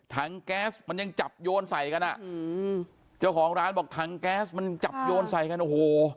แก๊สมันยังจับโยนใส่กันอ่ะอืมเจ้าของร้านบอกถังแก๊สมันจับโยนใส่กันโอ้โห